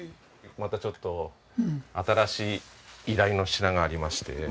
またちょっと新しい依頼の品がありまして。